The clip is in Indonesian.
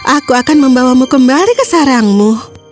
aku akan membawamu kembali ke sarangmu